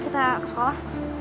kita ke sekolah